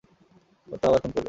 ও তো আবার খুন করবে।